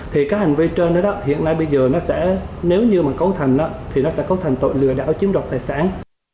thì các hành vi trên đó hiện nay bây giờ nó sẽ nếu như mà cấu thành thì nó sẽ cấu thành tội lừa đảo chiếm đoạt tài sản